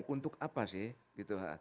untuk apa sih